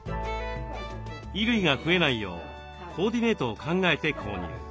衣類が増えないようコーディネートを考えて購入。